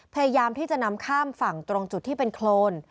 พยายามที่จะนำข้ามฝั่งตรงจุดที่เป็นโครน